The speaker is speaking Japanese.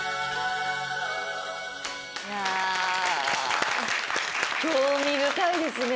いや興味深いですね。